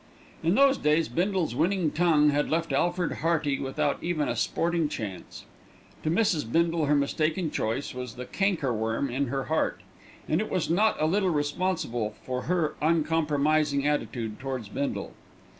In those days Bindle's winning tongue had left Alfred Hearty without even a sporting chance. To Mrs. Bindle her mistaken choice was the canker worm in her heart, and it was not a little responsible for her uncompromising attitude towards Bindle.